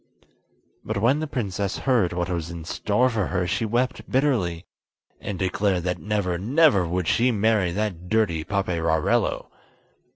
But when the princess heard what was in store for her she wept bitterly, and declared that never, never would she marry that dirty Paperarello!